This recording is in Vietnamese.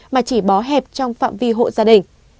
mà chỉ bó hẹp trong phạm vi hộ gia đình